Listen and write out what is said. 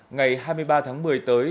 ngày hai mươi ba tháng một mươi tới